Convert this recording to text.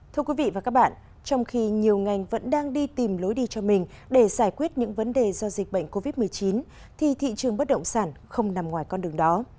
thưa quý vị và các bạn trong khi nhiều ngành vẫn đang đi tìm lối đi cho mình để giải quyết những vấn đề do dịch bệnh covid một mươi chín thì thị trường bất động sản không nằm ngoài con đường đó